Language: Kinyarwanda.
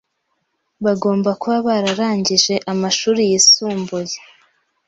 Bagomba kuba bararangije amashuri yisumbuye,